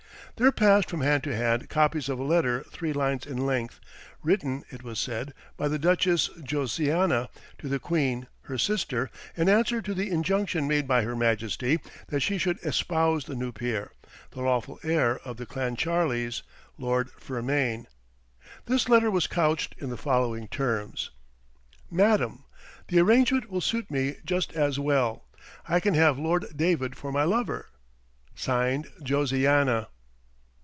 There passed from hand to hand copies of a letter three lines in length, written, it was said, by the Duchess Josiana to the queen, her sister, in answer to the injunction made by her Majesty, that she should espouse the new peer, the lawful heir of the Clancharlies, Lord Fermain. This letter was couched in the following terms: "MADAM, The arrangement will suit me just as well. I can have Lord David for my lover. (Signed) JOSIANA."